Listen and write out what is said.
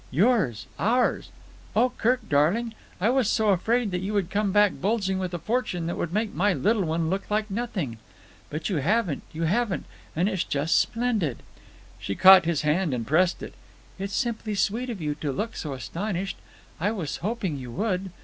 Yours. Ours. Oh, Kirk, darling, I was so afraid that you would come back bulging with a fortune that would make my little one look like nothing. But you haven't, you haven't, and it's just splendid." She caught his hand and pressed it. "It's simply sweet of you to look so astonished. I was hoping you would.